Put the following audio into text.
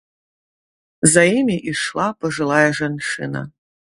За імі ішла пажылая жанчына.